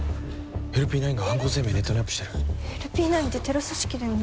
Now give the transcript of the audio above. ＬＰ９が犯行声明ネットにアップしてるＬＰ９ってテロ組織だよね